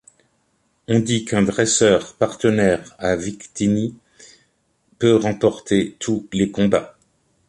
On dit qu'un dresseur partenaire à Victini peut remporter tous les combats.